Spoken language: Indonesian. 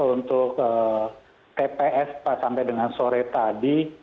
untuk tps pak sampai dengan sore tadi